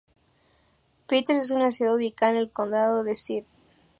Peters es una ciudad ubicada en el condado de St.